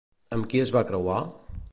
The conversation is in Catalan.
Amb qui es va creuar?